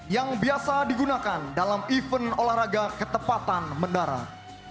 yang biasa digunakan dalam event olahraga ketepatan mendarat